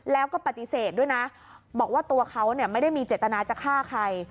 แล้วก็ปฏิเสธด้วยนะบอกว่าตัวเขาไม่ได้มีเจตนาจะฆ่าใคร